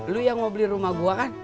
lo yang mau beli rumah gua kan